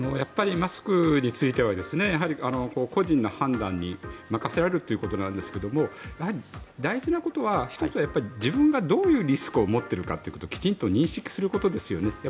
マスクについては個人の判断に任せられるということなんですけどもやはり大事なことは１つは自分がどういうリスクを持っているかってきちんと認識することですよね。